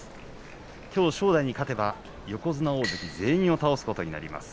きょう正代に勝てば横綱大関全員を倒すことになります。